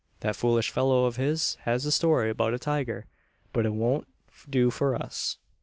That foolish fellow of his has a story about a tiger; but it won't do for us."